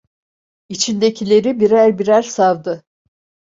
İçindekileri birer birer savdı.